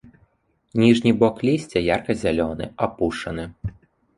Ніжні бок лісця ярка-зялёны, апушаны.